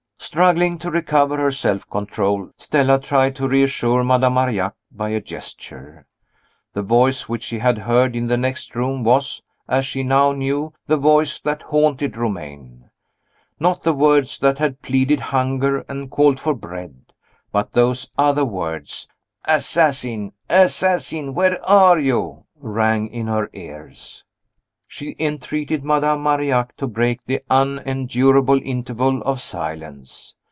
Struggling to recover her self control, Stella tried to reassure Madame Marillac by a gesture. The voice which she had heard in the next room was as she now knew the voice that haunted Romayne. Not the words that had pleaded hunger and called for bread but those other words, "Assassin! assassin! where are you?" rang in her ears. She entreated Madame Marillac to break the unendurable interval of silence.